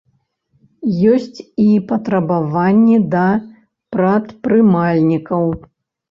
Ёсць і патрабаванні да прадпрымальнікаў.